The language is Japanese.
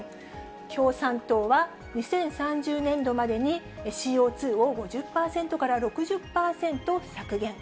共産党は２０３０年度までに、ＣＯ２を５０％から６０％削減。